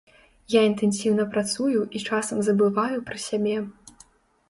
Я інтэнсіўна працую і часам забываю пра сябе.